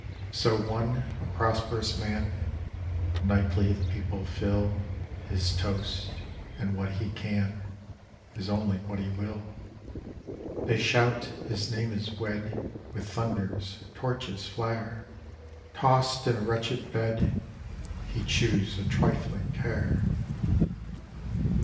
So one, a prosperous man; Nightly the people fill His toast, and what he can Is only what he will. They shout; his name is wed With thunders; torches flare; Tost in a wretched bed He chews a trifling care.